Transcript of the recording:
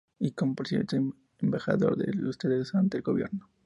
Y como periodista embajador de Ustedes ante el Gobierno"".